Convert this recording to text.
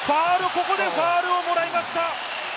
ここでファウルをもらいました。